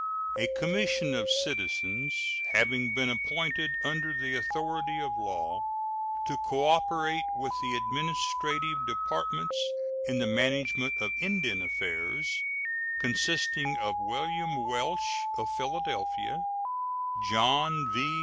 A commission of citizens having been appointed under the authority of law to cooperate with the administrative departments in the management of Indian affairs, consisting of William Welsh, of Philadelphia; John V.